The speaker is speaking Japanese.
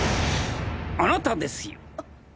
あなたですよ！